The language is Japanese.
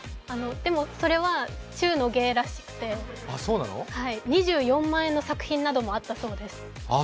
それは中の下らしくて２４万円の作品などもあったそうです。